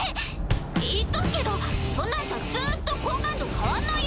言っとくけどそんなんじゃずっと好感度変わんないよ。